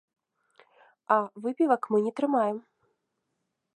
А выпівак мы не трымаем.